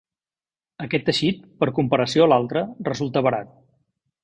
Aquest teixit, per comparació a l'altre, resulta barat.